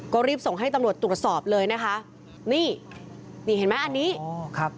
ก็รีบส่งให้ตำรวจตรวจสอบเลยนะคะนี่นี่เห็นไหมอันนี้อ๋อครับ